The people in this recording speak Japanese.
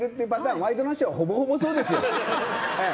「ワイドナショー」はほぼほぼそうですよ。